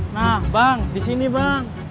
nah bang disini bang